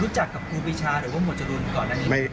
รู้จักกับครูวิชาหรือโหมจรุน